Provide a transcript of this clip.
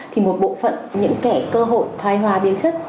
thì một bộ phận những kẻ cơ hội thoai hoa biến chất